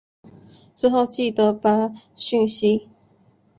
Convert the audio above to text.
之后记得发讯息